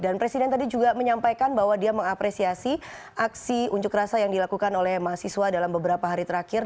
dan presiden tadi juga menyampaikan bahwa dia mengapresiasi aksi unjuk rasa yang dilakukan oleh mahasiswa dalam beberapa hari terakhir